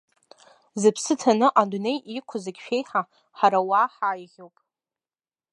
Зыԥсы ҭаны адунеи иқәу зегь шәеиҳа ҳара ауаа ҳаиӷьуп.